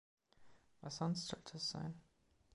Was sonst sollte es sein?